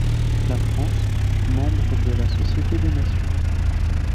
La France fut membre de la Société des Nations.